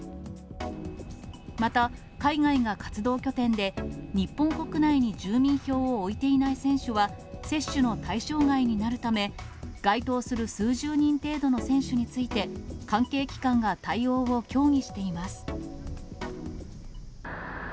また、海外が活動拠点で、日本国内に住民票を置いていない選手は、接種の対象外になるため、該当する数十人程度の選手について、関係機関が対応を協議しています。